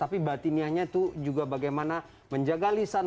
tapi batinianya itu juga bagaimana menjaga lisan